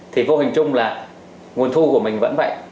thì vô hình chung là nguồn thu của mình vẫn vậy